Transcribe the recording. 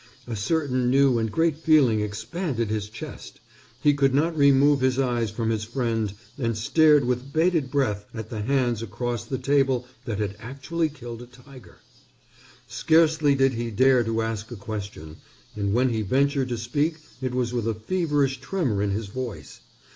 A certain new and great feeling expanded his chest. He could not remove his eyes from his friend and stared with bated breath at the hands across the table that had actually killed a tiger. Scarcely did he dare to ask a question, and when he ventured to speak it was with a feverish tremor in his voice.